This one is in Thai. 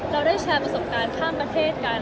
เราได้แชร์ประสบการณ์ข้ามประเทศกัน